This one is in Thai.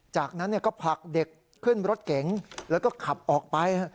จากนั้นก็ผลักเด็กขึ้นรถเก๋งแล้วก็ขับออกไป